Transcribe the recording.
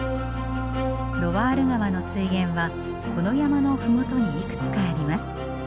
ロワール川の水源はこの山の麓にいくつかあります。